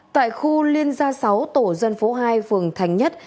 tại khu liên gia sáu tổ dân phố hai phường thành nhất